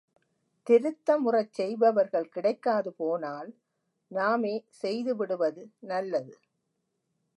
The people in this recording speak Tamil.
திருத்தமுறச் செய்பவர்கள் கிடைக்காது போனால் நாமே செய்துவிடுவது நல்லது.